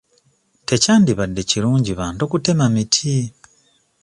Tekyandibadde kirungi bantu kutema miti.